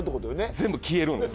全部消えるんです。